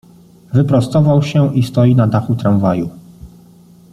Wyprostował się i stoi na dachu tramwaju.